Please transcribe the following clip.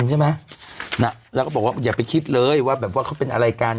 ใช่ไหมน่ะแล้วก็บอกว่าอย่าไปคิดเลยว่าแบบว่าเขาเป็นอะไรกัน